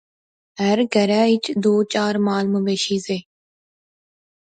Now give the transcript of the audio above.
ہر کہرا اچ دو چار مال مویشی زے